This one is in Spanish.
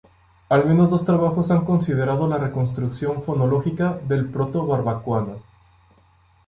Al menos dos trabajos han considerado la reconstrucción fonológica del proto-barbacoano.